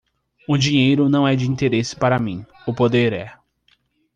O dinheiro não é de interesse para mim, o poder é.